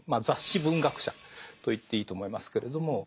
雑誌文学者と言っていいと思いますけれども。